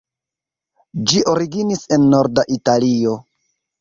Ĝi originis en norda Italio.